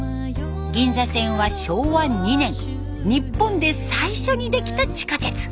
銀座線は昭和２年日本で最初にできた地下鉄。